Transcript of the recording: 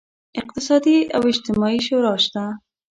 اقتصادي او اجتماعي شورا شته.